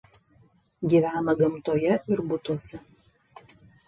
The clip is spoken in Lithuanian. Gyvena gamtoje ir butuose.